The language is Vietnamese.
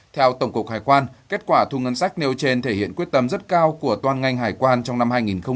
theo tổng cục hải quan kết quả thu ngân sách nêu trên thể hiện quyết tâm rất cao của toàn ngành hải quan trong năm hai nghìn hai mươi